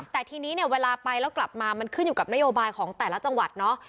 แต่ทีนี้เนี่ยเวลาไปแล้วกลับมามันขึ้นอยู่กับนโยบายของแต่ละจังหวัดเนาะ